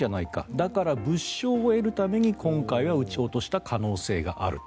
だから物証を得るために今回は撃ち落とした可能性があると。